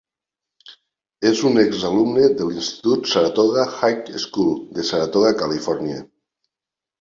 És un exalumne de l'institut Saratoga High School de Saratoga, Califòrnia.